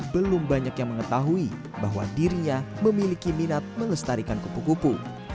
belum banyak yang mengetahui bahwa dirinya memiliki minat melestarikan kupu kupu